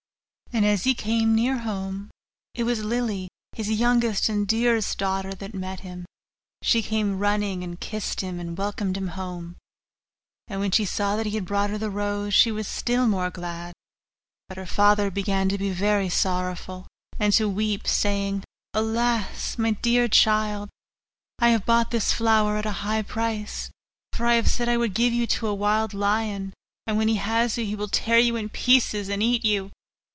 And as he came near home, it was Lily, his youngest and dearest daughter, that met him; she came running, and kissed him, and welcomed him home; and when she saw that he had brought her the rose, she was still more glad. But her father began to be very sorrowful, and to weep, saying, 'Alas, my dearest child! I have bought this flower at a high price, for I have said I would give you to a wild lion; and when he has you, he will tear you in pieces, and eat you.